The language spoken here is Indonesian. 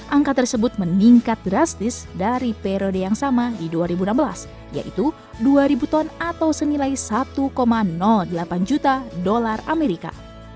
angka tersebut meningkat drastis dari periode yang sama di dua ribu enam belas yaitu dua ribu ton atau senilai satu delapan juta dolar amerika